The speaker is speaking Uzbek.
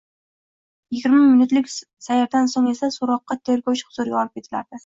yigirma minutlik sayrdan so’ng esa so’roqqa — tergovchi huzuriga olib ketilardi…»